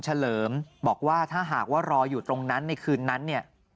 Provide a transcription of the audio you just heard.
เลิมบอกว่าถ้าหากว่ารออยู่ตรงนั้นในคืนนั้นเนี่ย